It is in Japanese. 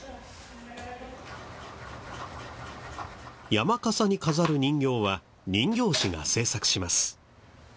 山笠に飾る人形は人形師が制作します。